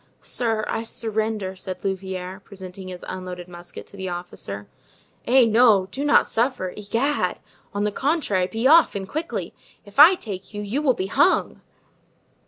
"Sir, I surrender," said Louvieres, presenting his unloaded musket to the officer. "Eh, no! do not surrender, egad! On the contrary, be off, and quickly. If I take you, you will be hung!"